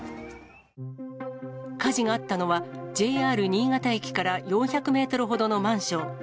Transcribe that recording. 火事があったのは、ＪＲ新潟駅から４００メートルほどのマンション。